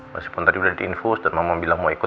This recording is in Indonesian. meskipun tadi udah diinfus dan mama bilang mau ikut